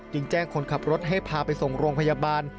แจ้งคนขับรถให้พาไปส่งโรงพยาบาล